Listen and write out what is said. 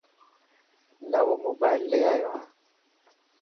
نئون موبائل لي آيو هان.